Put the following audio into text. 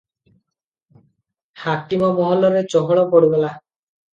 ହାକିମ ମହଲରେ ଚହଳ ପଡିଗଲା ।